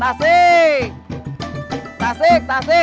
tasi tasi tasi